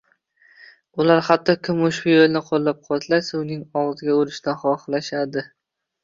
Ular hatto kim ushbu yo‘lni qo‘llab-quvvatlasa uning og‘ziga urishni xohlashadi